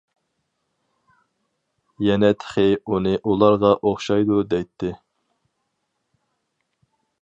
يەنە تېخى ئۇنى ئۇلارغا ئوخشايدۇ دەيتتى.